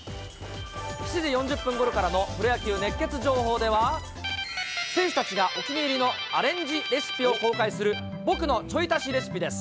７時４０分ごろからのプロ野球熱ケツ情報では、選手たちがお気に入りのアレンジレシピを公開する、僕のちょい足しレシピです。